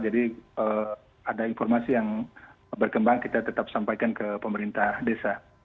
jadi ada informasi yang berkembang kita tetap sampaikan ke pemerintah desa